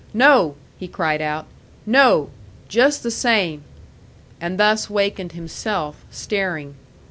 "No!" he cried out; "no! Just the same!" and thus wakened himself, staring.